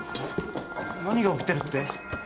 何が起きてるって？